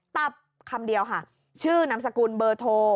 ตับคำเดียวค่ะชื่อนามสกุลเบอร์โทร